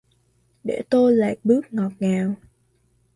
Để tôi lạc bước ngọt ngào